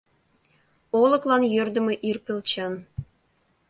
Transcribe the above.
Олыклан йӧрдымӧ — ирпелчан